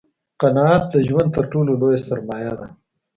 قناعت دژوند تر ټولو لویه سرمایه ده